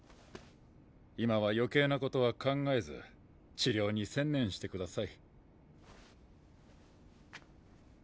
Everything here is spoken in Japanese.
今は余計なことは考えず治療に専念してください。